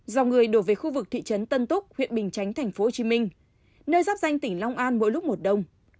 dòng người đổ về khu vực thị trấn tân túc huyện bình chánh tp hcm nơi giáp danh tỉnh long an mỗi lúc một đông